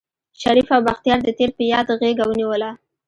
شريف او بختيار د تېر په ياد غېږه ونيوله.